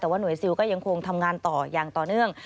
แต่ว่าหน่วยซิลก็ยังคงทำงานต่ออย่างต่อเนื่อง